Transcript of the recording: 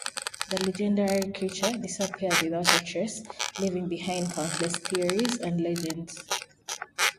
The legendary creature disappeared without a trace, leaving behind countless theories and legends.